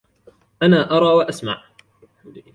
أنا أرى وأسمع.